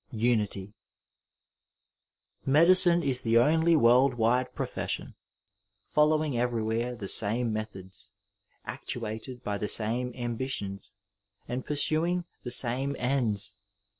UNITY Medicine is the only world wide profession, following everywhere the same methods, actuated by the same ambi tions, and pursuing the same ends.